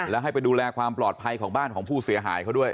แล้วให้ไปดูแลความปลอดภัยของบ้านของผู้เสียหายเขาด้วย